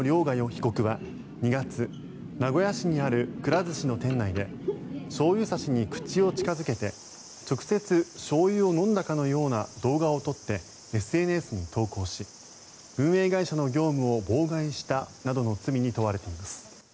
被告は２月名古屋市にあるくら寿司の店内でしょうゆ差しに口を近付けて直接、しょうゆを飲んだかのような動画を撮ってＳＮＳに投稿し運営会社の業務を妨害したなどの罪に問われています。